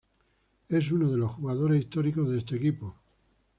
Es uno de los jugadores históricos de este equipo.